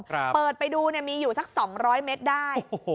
เปิดไปดูเนี่ยมีอยู่สักสองร้อยเมตรได้โอ้โห